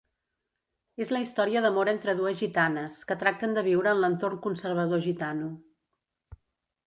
És la història d'amor entre dues gitanes, que tracten de viure en l'entorn conservador gitano.